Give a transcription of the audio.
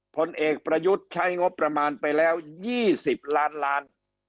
ผลเอกประยุทธ์ใช้งบประมาณไปแล้ว๒๐ล้านล้าน